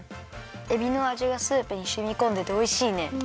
えびのあじがスープにしみこんでておいしいね。